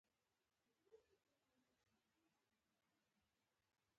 که رسنۍ غلطه ژبه وکاروي ولس ګمراه کیږي.